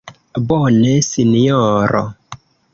Bone, Sinjoro.